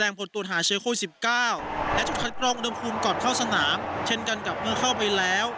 ผลตรวจหาเชื้อโควิด๑๙และจุดคัดกรองเดิมภูมิก่อนเข้าสนามเช่นกันกับเมื่อเข้าไปแล้ว